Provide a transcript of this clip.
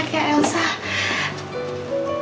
makasih udah nemuin foto ini